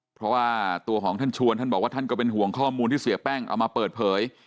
เพราะว่าตัวของท่านชวนท่านบอกว่าท่านก็เป็นห่วงข้อมูลที่เสียแป้งเอามาเปิดเผย